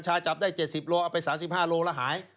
จับได้๗๐โลเอาไป๓๕โลแล้วหาย